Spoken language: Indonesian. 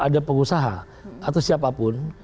ada pengusaha atau siapapun